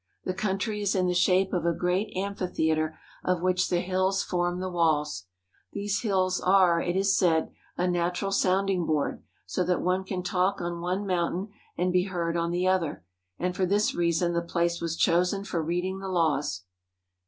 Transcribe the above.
The country is in the shape of a great amphitheatre of which the hills form the walls. These hills are, it is said, a natural sounding board, so that one can talk on one mountain and be heard on the other, and for this reason the place was chosen for reading the laws.